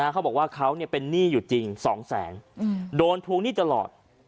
เขาบอกว่าเขาเป็นหนี้อยู่จริง๒แสนโดนทวงหนี้ตลอด